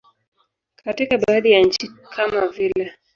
Katika baadhi ya nchi kama vile.